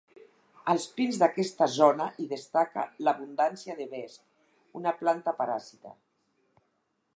Als pins d'aquesta zona hi destaca l'abundància de vesc, una planta paràsita.